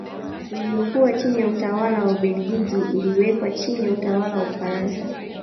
Iliyokuwa chini ya utawala wa Ubelgiji iliwekwa chini ya utawala wa Ufaransa